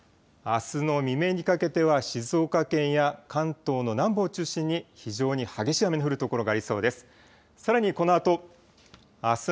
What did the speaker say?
あすの未明にかけては静岡県や関東の南部を中心に非常に激しい雨の降る所がありそうです。